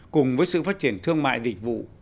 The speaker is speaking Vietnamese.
cùng với sự phát triển thương mại dịch vụ